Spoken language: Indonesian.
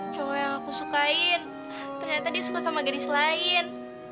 coba yang aku sukain ternyata dia suka sama gadis lain